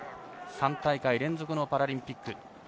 ３大会連続のパラリンピック。